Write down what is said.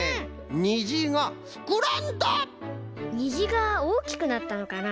虹がおおきくなったのかな？